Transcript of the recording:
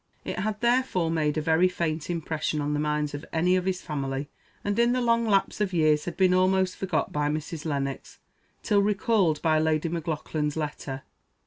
It had therefore made a very faint impression on the minds of any of his family, and in the long lapse of years had been almost forgot by Mrs. Lennox, till recalled by Lady Maclaughlan's letter.